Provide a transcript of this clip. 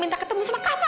minta ketemu sama kava